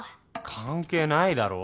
関係ないだろ。